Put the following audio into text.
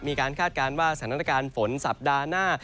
คาดการณ์ว่าสถานการณ์ฝนสัปดาห์หน้า